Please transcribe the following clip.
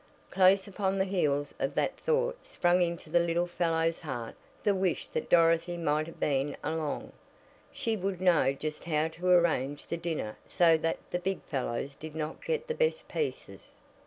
Close upon the heels of that thought sprang into the little fellow's heart the wish that Dorothy might have been along. She would know just how to arrange the dinner so that the big fellows did not get the best pieces.